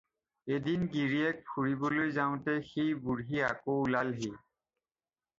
এদিন গিৰীয়েক ফুৰিবলৈ যাওঁতে সেই বুঢ়ী আকৌ ওলালহি।